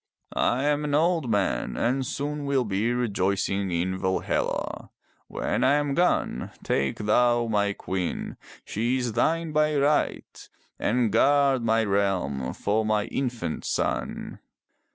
I am an old man and soon will be rejoicing in Valhalla. When I am gone, take thou my queen — she is thine by right, and guard my realm for my infant son.